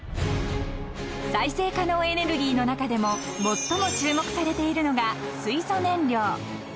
［再生可能エネルギーの中でも最も注目されているのが水素燃料］